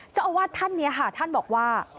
เจ้าอาวาสท่านนี้ค่ะท่านบอกว่า